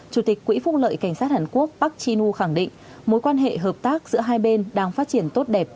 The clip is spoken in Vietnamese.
chủ tịch quỹ phúc lợi cảnh sát hàn quốc park jinu khẳng định mối quan hệ hợp tác giữa hai bên đang phát triển tốt đẹp